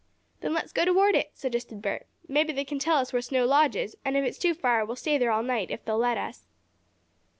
"Then let's go toward it," suggested Bert. "Maybe they can tell us where Snow Lodge is, and if it's too far we'll stay there all night, if they'll let us."